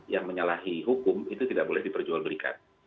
yang menyalahi hukum itu tidak boleh diperjualbelikan